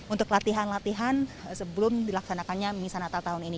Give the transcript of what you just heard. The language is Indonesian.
untuk latihan latihan sebelum dilaksanakannya misa natal tahun ini